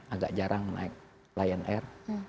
agak jarang naik lion air